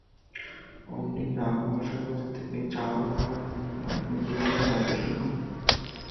অমনি নাগ-মহাশয় বাজার থেকে চাল, হাঁড়ি, কাঠ প্রভৃতি এনে রাঁধতে শুরু করলেন।